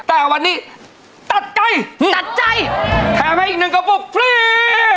แต่วันนี้ตัดใจแถมให้อีก๑กระปุกฟรี